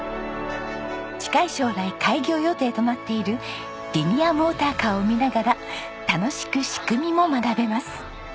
近い将来開業予定となっているリニアモーターカーを見ながら楽しく仕組みも学べます。